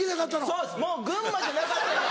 そうですもう群馬じゃなかったら。